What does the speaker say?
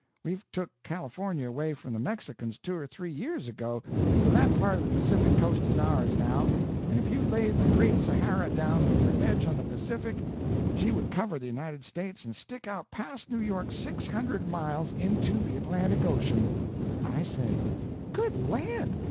We've took California away from the Mexicans two or three years ago, so that part of the Pacific coast is ours now, and if you laid the Great Sahara down with her edge on the Pacific, she would cover the United States and stick out past New York six hundred miles into the Atlantic ocean." I say: "Good land!